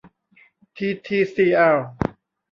ทีทีซีแอล